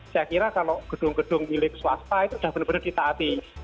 saya kira kalau gedung gedung milik swasta itu sudah benar benar ditaati